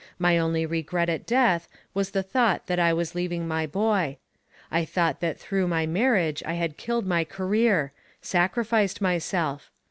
My only regret at death was the thought that I was leaving my boy. I thought that through my marriage I had killed my career sacrificed myself.